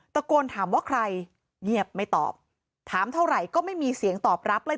ตะโกนถามว่าใครเงียบไม่ตอบถามเท่าไหร่ก็ไม่มีเสียงตอบรับเลย